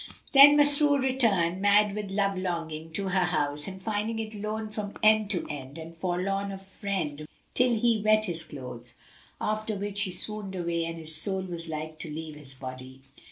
Then Masrur returned, mad with love longing, to her house, and finding it lone from end to end[FN#356] and forlorn of friend, wept till he wet his clothes; after which he swooned away and his soul was like to leave his body.